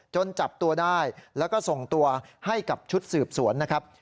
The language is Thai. จับตัวได้แล้วก็ส่งตัวให้กับชุดสืบสวนนะครับ